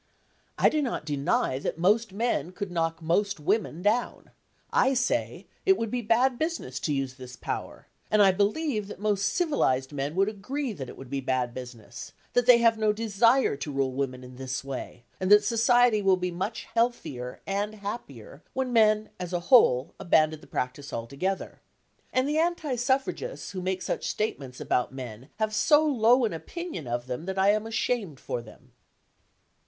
I do not deny that most men could knock most women down; I say it would be bad business to use this power, and I believe that most civilised men would agree that it would be bad business, that they have no desire to rule women in this way, and that society will be much healthier and happier when men as a whole abandon the practice altogether. And the anti suffragists who make such statements about men have so low an opinion of them that I am ashamed for them.